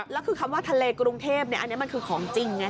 แล้วคือคำว่าทะเลกรุงเทพอันนี้มันคือของจริงไง